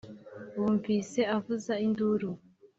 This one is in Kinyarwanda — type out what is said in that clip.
wumvise avuza induru